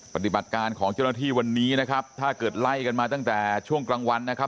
ปฏิบัติการของเจ้าหน้าที่วันนี้นะครับถ้าเกิดไล่กันมาตั้งแต่ช่วงกลางวันนะครับ